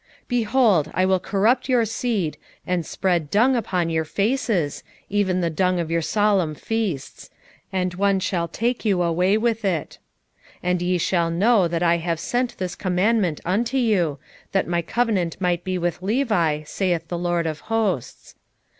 2:3 Behold, I will corrupt your seed, and spread dung upon your faces, even the dung of your solemn feasts; and one shall take you away with it. 2:4 And ye shall know that I have sent this commandment unto you, that my covenant might be with Levi, saith the LORD of hosts.